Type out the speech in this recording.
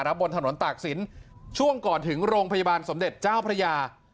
บนถนนตากศิลป์ช่วงก่อนถึงโรงพยาบาลสมเด็จเจ้าพระยา